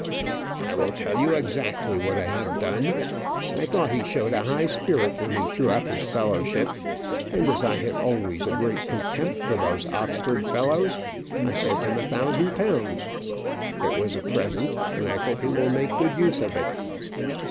"I will tell you exactly what I have done. I thought he showed a high spirit when he threw up his fellowship, and as I had always a great contempt for those Oxford fellows, I sent him a thousand pounds. It was a present, and I hope he will make good use of it."